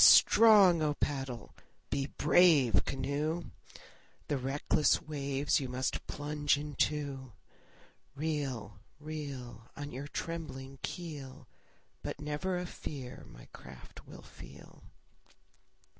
Be strong, O paddle! be brave, canoe! The reckless waves you must plunge into. Reel, reel. On your trembling keel, But never a fear my craft will feel.